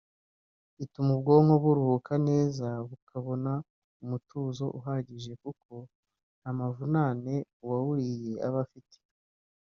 ituma ubwonko buruhuka neza bukabona umutuzo uhagije kuko nta mavunane uwawuriye aba afite